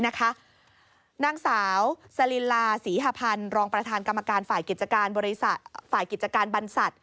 นางสาวสลิลาศรีหะพันธ์รองประธานกรรมการฝ่ายกิจการบริษัท